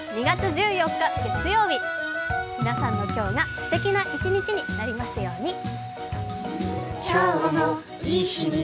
２月１４日、月曜日皆さんの今日がすてきな一日になりますように。